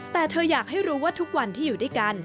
แต่เธออยากให้รู้ว่าทุกวันที่อยู่ด้วยกัน